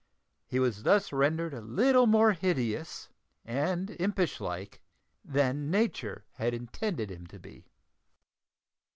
He was thus rendered a little more hideous and impish like than Nature had intended him to be.